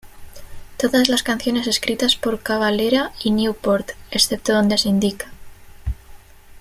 Todas las canciones escritas por Cavalera y Newport, excepto donde se indica.